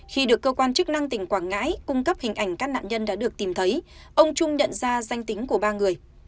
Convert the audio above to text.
khi được cơ quan chức năng tỉnh quảng ngãi cung cấp hình ảnh các nạn nhân đã được tìm thấy ông trung nhận ra danh tính của ba người